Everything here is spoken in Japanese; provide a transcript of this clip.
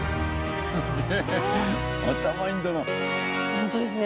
ホントですね。